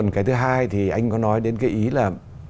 cái thứ hai thì anh có nói đến cái ý là